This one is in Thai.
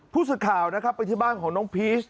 ผู้สัดข่าวไปที่บ้านของน้องพีช